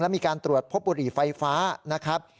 มีการตรวจพบบุหรี่ไฟฟ้านะครับ